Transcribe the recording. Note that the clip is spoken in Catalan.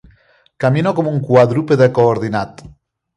Camino com un quadrúpede coordinat.